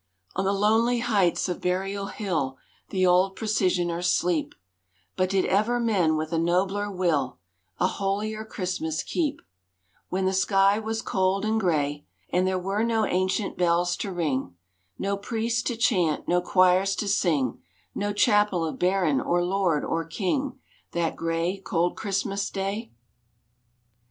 On the lonely heights of Burial Hill The old Precisioners sleep; But did ever men with a nobler will A holier Christmas keep, When the sky was cold and gray, And there were no ancient bells to ring, No priests to chant, no choirs to sing, No chapel of baron, or lord, or king, That gray, cold Christmas Day?